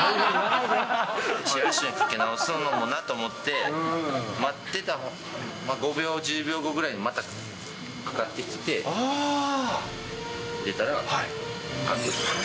知らん人にかけ直すのもなと思って、待ってた５秒、１０秒後ぐらいにまたかかってきて、出たら、監督。